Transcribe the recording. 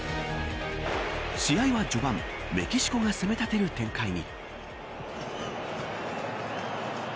試合は序盤メキシコが攻め立てる展開に。